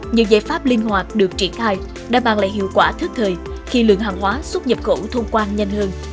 nhiều giải pháp linh hoạt được triển khai đã mang lại hiệu quả thức thời khi lượng hàng hóa xuất nhập khẩu thông quan nhanh hơn